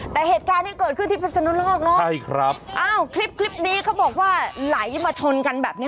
แต่เหตุการณ์นี้เกิดขึ้นที่พัฒนธุรกษ์เนอะเอ้าคลิปนี้เขาบอกว่าไหลมาชนกันแบบนี้